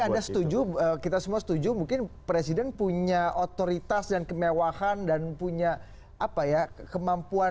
tapi ada setuju kita semua setuju mungkin presiden punya otoritas dan kemewahan dan punya apa ya kemampuan